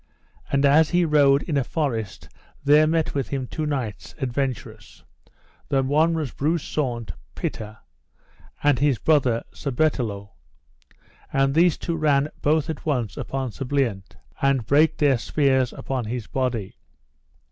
And as he rode in a forest there met with him two knights adventurous, the one was Breuse Saunce Pité, and his brother, Sir Bertelot; and these two ran both at once upon Sir Bliant, and brake their spears upon his body.